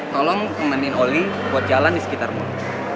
tolong nganiin oli buat jalan di sekitar mall